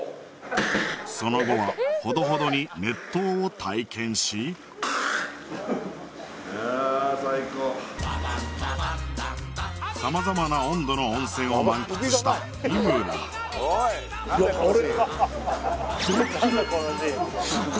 その後はほどほどに熱湯を体験しあ最高様々な温度の温泉を満喫した日村あれ？